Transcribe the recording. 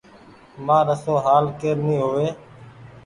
مآر آسو هآل ڪير ني هووي۔